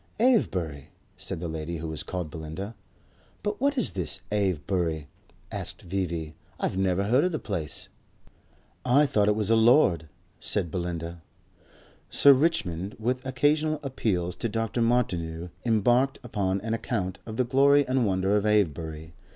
"Avebury?" said the lady who was called Belinda. "But what is this Avebury?" asked V.V. "I've never heard of the place." "I thought it was a lord," said Belinda. Sir Richmond, with occasional appeals to Dr. Martineau, embarked upon an account of the glory and wonder of Avebury.